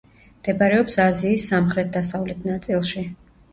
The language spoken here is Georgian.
მდებარეობს აზიის სამხრეთ-დასავლეთ ნაწილში.